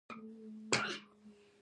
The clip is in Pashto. دوی غواړي خپلې حیاتي ګټې خوندي وساتي